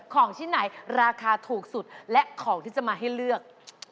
ของชิ้นไหนราคาถูกสุดและของที่จะมาให้เลือก